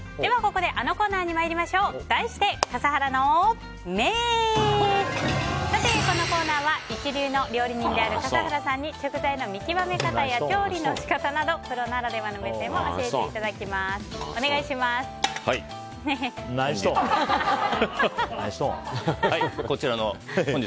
このコーナーは一流の料理人である笠原さんに食材の見極め方や調理の仕方などプロならではの目線を何しとん？